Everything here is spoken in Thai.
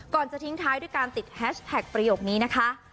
จะทิ้งท้ายด้วยการติดแฮชแท็กประโยคนี้นะคะ